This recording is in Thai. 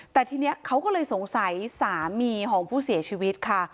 แต่ทีนี้เขาก็เลยสงสัยสามีของผู้เสียชีวิตค่ะ